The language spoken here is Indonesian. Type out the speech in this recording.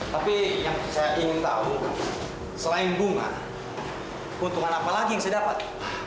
tapi yang saya ingin tahu selain bunga keuntungan apa lagi yang saya dapat